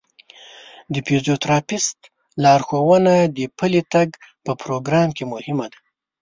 د فزیوتراپیست لارښوونه د پلي تګ په پروګرام کې مهمه ده.